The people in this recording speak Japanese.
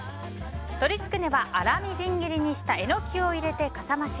鶏つくねは、粗みじん切りにしたエノキを入れてかさ増し。